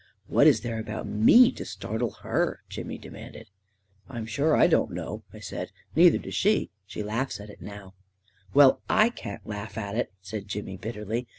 44 What is there about me to startle her? " Jimmy demanded. 69 ?o A KING IN BABYLON " Fm sure I don't know," I said. " Neither does she. She laughs at it now." " Well, / can't laugh at it," Said Jimmy bitterly.